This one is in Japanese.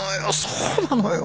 そうなのよ！